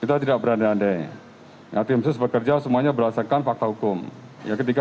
kita tidak berada ada ya tim sus bekerja semuanya berdasarkan fakta hukum ketika